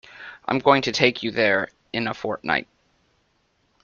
I'm going to take you there in a fortnight.